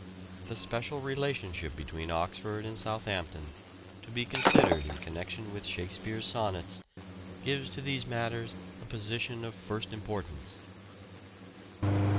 The special relationship between Oxford and Southampton, to be considered in connection with Shakespeare's Sonnets, gives to these matters a position of first importance.